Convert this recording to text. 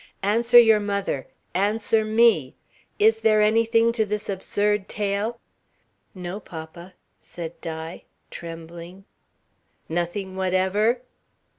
"Answer your mother. Answer me. Is there anything to this absurd tale?" "No, papa," said Di, trembling. "Nothing whatever?"